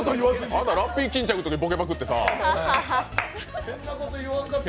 あんた、ラッピー巾着のときボケまくってさ。